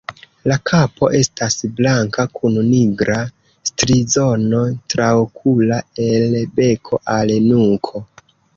La kapo estas blanka kun nigra strizono traokula el beko al nuko.